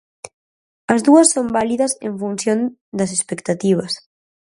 As dúas son válidas en función das expectativas.